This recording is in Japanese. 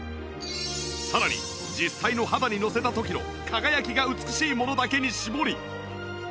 さらに実際の肌にのせた時の輝きが美しいものだけに絞り